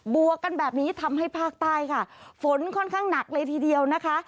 วกกันแบบนี้ทำให้ภาคใต้ค่ะฝนค่อนข้างหนักเลยทีเดียวนะคะ